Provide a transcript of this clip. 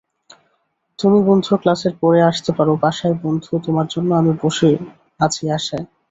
তুমি বন্ধু ক্লাসের পরে আসতে পার বাসায়বন্ধু তোমার জন্য আমি বসে আছি আশায়।